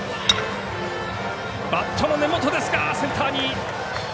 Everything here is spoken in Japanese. バットの根元ですがセンターに。